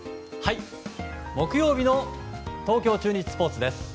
木曜日の東京中日スポーツです。